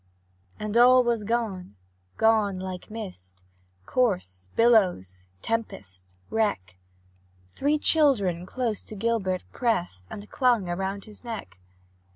And all was gone gone like a mist, Corse, billows, tempest, wreck; Three children close to Gilbert prest And clung around his neck.